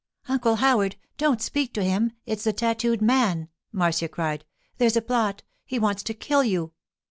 'Uncle Howard, don't speak to him! It's the tattooed man,' Marcia cried. 'There's a plot. He wants to kill you.